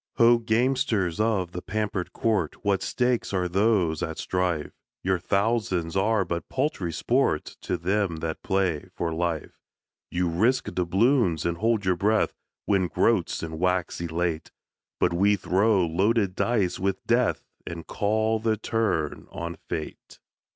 Ho, gamesters of the pampered court! What stakes are those at strife? Your thousands are but paltry sport To them that play for life. You risk doubloons, and hold your breath. Win groats, and wax elate; But we throw loaded dice with Death, And call the turn on Fate.